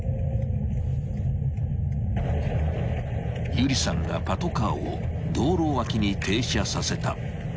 ［有理さんがパトカーを道路脇に停車させた］